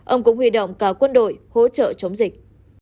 ông cũng huy động cả quân đội hỗ trợ chống dịch